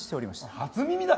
初耳だ！